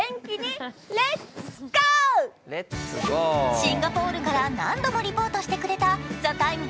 シンガポールから何度もリポートしてくれた、「ＴＨＥＴＩＭＥ，」